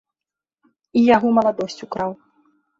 І яго маладосць украў.